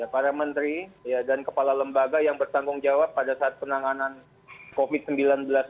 para menteri dan kepala lembaga yang bertanggung jawab pada saat penanganan covid sembilan belas